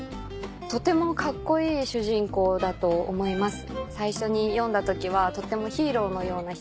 とてもカッコいい主人公だと思います。